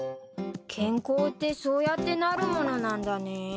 健康ってそうやってなるものなんだね。